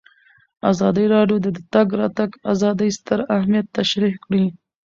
ازادي راډیو د د تګ راتګ ازادي ستر اهميت تشریح کړی.